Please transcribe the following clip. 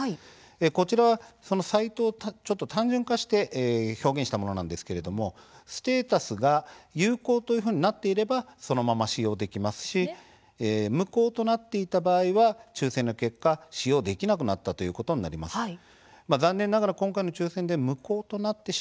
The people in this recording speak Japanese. こちらはそのサイトを単純化して表現したものなんですけれどもステータスが有効というふうになっていればそのまま使用できますし無効となっていた場合は抽せんの結果、使用できなくなったということになります。